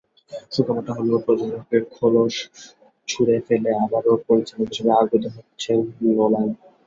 সুখবরটা হলো, প্রযোজকের খোলস ছুড়ে ফেলে আবারও পরিচালক হিসেবে আবির্ভূত হচ্ছেন নোলান।